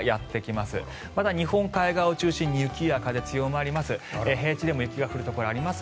まだ日本海側を中心に雪や風が強まります。